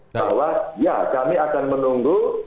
bahwa ya kami akan menunggu